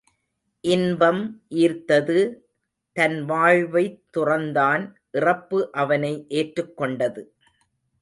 இன்பம் ஈர்த்தது, தன் வாழ்வைத் துறந்தான், இறப்பு அவனை ஏற்றுக் கொண்டது.